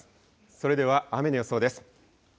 それでは雨の予想です。